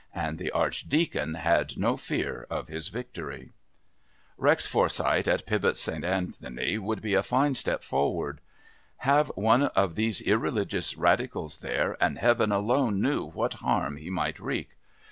And the Archdeacon had no fear of his victory. Rex Forsyth at Pybus St. Anthony would be a fine step forward. Have one of these irreligious radicals there, and Heaven alone knew what harm he might wreak.